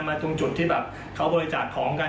ตรงจุดที่แบบเขาบริจาคของกัน